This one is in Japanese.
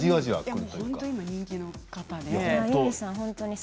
本当に人気の方で。